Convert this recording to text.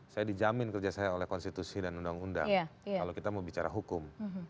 saya dijamin kerja saya oleh konstitusi dan undang undang kalau kita mau bicara hukum